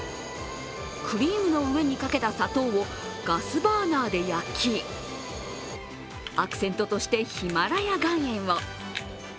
クリームの上にかけた砂糖をガスバーナーで焼き、アクセントとしてヒマラヤ岩塩を。